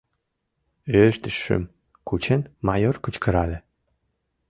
— ӧрдыжшым кучен, майор кычкырале.